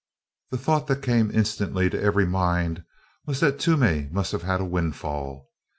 The thought that came instantly to every mind was that Toomey must have had a windfall.